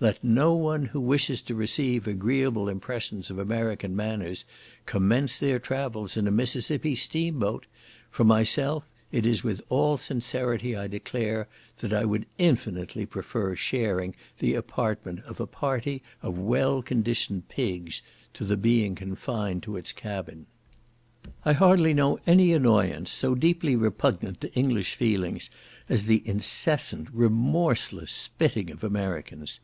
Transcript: Let no one who wishes to receive agreeable impressions of American manners, commence their travels in a Mississippi steam boat; for myself, it is with all sincerity I declare, that I would infinitely prefer sharing the apartment of a party of well conditioned pigs to the being confined to its cabin. I hardly know any annoyance so deeply repugnant to English feelings, as the incessant, remorseless spitting of Americans.